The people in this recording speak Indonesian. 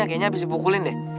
kayaknya abis dipukulin deh